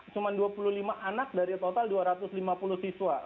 cuma dua puluh lima anak dari total dua ratus lima puluh siswa